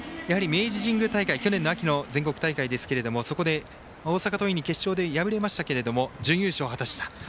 去年の秋の全国大会ですがそこで大阪桐蔭に決勝で敗れましたけども準優勝を果たした。